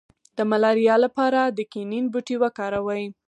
د ملاریا لپاره د کینین بوټی وکاروئ